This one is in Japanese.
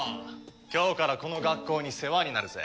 今日からこの学校に世話になるぜ。